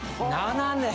７年。